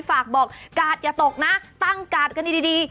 ฝากบอกกาดอย่าตกนะตั้งกาดกันดี